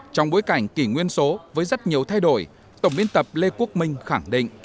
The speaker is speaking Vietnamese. trong bối cảnh kỷ nguyên số với rất nhiều thay đổi tổng biên tập lê quốc minh khẳng định